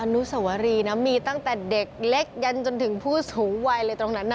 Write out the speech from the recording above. นุสวรีนะมีตั้งแต่เด็กเล็กยันจนถึงผู้สูงวัยเลยตรงนั้น